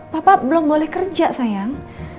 papa belum boleh kerja sayang